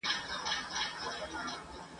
په لومړۍ ورځ چی می ستا سره لیدلي !.